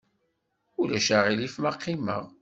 Ulac aɣilif ma qqimeɣ?